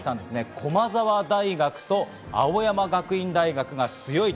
駒澤大学と青山学院大学が強いと。